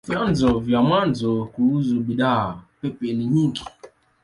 Vyanzo vya mawazo kuhusu bidhaa pepe ni nyingi.